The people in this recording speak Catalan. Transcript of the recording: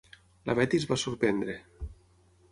La Betty es va sorprendre.